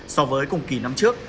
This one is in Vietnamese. so với cùng kỳ năm trước